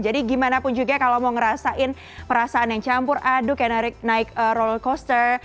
jadi gimana pun juga kalau mau ngerasain perasaan yang campur aduk kayak naik roller coaster